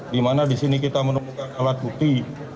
di mana disini kita menemukan alat bukti